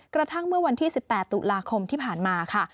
กระทั่งเมื่อวันที่๑๘ตุลาคมที่ผ่านมาค่ะ